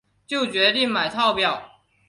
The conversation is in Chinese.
就决定买套票